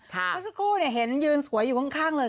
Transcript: เมื่อสักครู่เห็นยืนสวยอยู่ข้างเลย